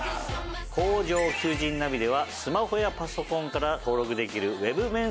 「工場求人ナビ」ではスマホやパソコンから登録できる。